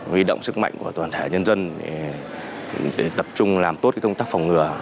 huy động sức mạnh của toàn thể nhân dân để tập trung làm tốt công tác phòng ngừa